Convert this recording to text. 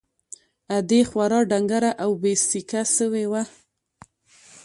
ادې خورا ډنگره او بې سېکه سوې وه.